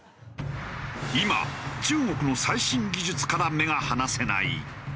今中国の最新技術から目が離せない。